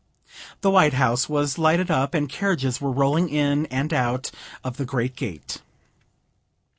The White House was lighted up, and carriages were rolling in and out of the great gate.